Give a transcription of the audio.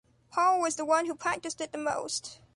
Paul was the one who practiced it the most.